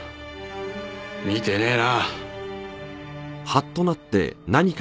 見てねえな。